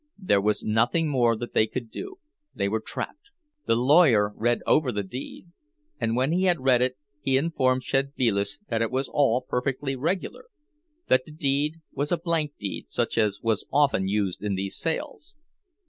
There was nothing more that they could do—they were trapped! The lawyer read over the deed, and when he had read it he informed Szedvilas that it was all perfectly regular, that the deed was a blank deed such as was often used in these sales.